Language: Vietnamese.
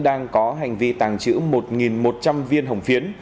đang có hành vi tàng trữ một một trăm linh viên hồng phiến